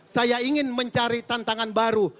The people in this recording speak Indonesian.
saya ingin mencari tantangan baru